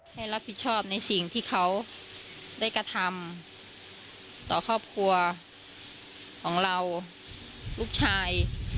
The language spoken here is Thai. ให้รับผิดชอบในสิ่งที่เขาได้กระทำต่อครอบครัวของเราลูกชาย